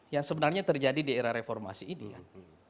yang sebenarnya terjadi di era reformasi ini kan